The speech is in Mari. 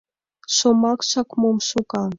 Шомакшак мом шога...